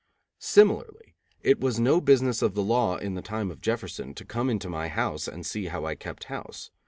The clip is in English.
Similarly, it was no business of the law in the time of Jefferson to come into my house and see how I kept house.